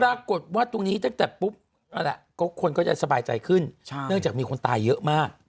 ปรากฏว่าตรงนี้ตั้งแต่ปุ๊บคนก็จะสบายใจขึ้นเนื่องจากมีคนตายเยอะมาก